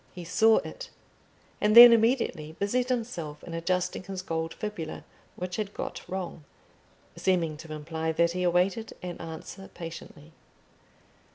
He saw it, and then immediately busied himself in adjusting his gold fibula, which had got wrong; seeming to imply that he awaited an answer patiently.